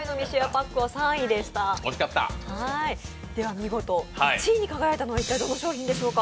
見事、１位に輝いたのはどの商品でしょうか。